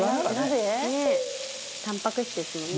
藤本：たんぱく質ですもんね。